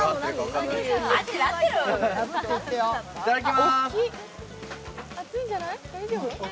いただきまーす。